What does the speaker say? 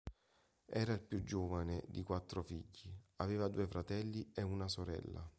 Era il più giovane di quattro figli; aveva due fratelli e una sorella.